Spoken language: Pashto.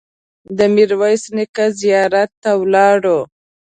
د میرویس نیکه زیارت ته ولاړو.